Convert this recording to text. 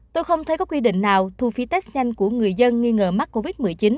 tôi không thấy có quy định nào thu phí test nhanh của người dân nghi ngờ mắc covid một mươi chín